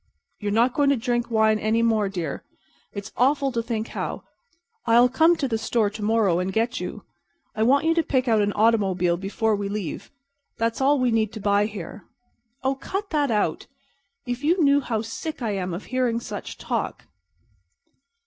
"You're not going to drink wine any more, dear. It's awful to think how— I'll come to the store to morrow and get you. I want you to pick out an automobile before we leave. That's all we need to buy here." "Oh, cut that out. If you knew how sick I am of hearing such talk."